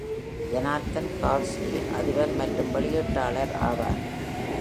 Jonathan கலாஸ்ஸி அதிபர் மற்றும் வெளியீட்டாளர் ஆவார்.